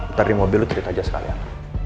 ntar di mobil lo cerit aja sekalian